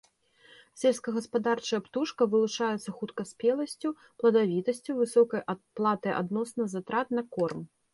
Сельскагаспадарчая птушка вылучаецца хуткаспеласцю, пладавітасцю, высокай аплатай адносна затрат на корм.